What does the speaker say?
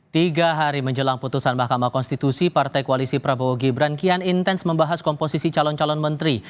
tiga hari menjelang putusan mahkamah konstitusi partai koalisi prabowo gibran kian intens membahas komposisi calon calon menteri